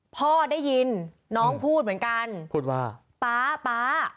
พ่อได้ยินน้องพูดเหมือนกันพูดว่าป๊าป๊า